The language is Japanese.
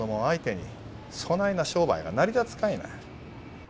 相手にそないな商売が成り立つかいな。